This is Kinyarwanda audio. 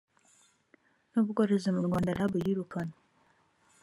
n ubworozi mu rwanda rab yirukanwe